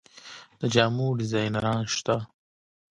د جامو ډیزاینران شته؟